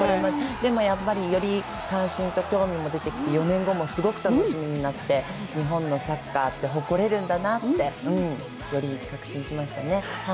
でもやっぱりより関心と興味も出てきて４年後もすごく楽しみになって日本のサッカーって誇れるんだなってより確信しましたね。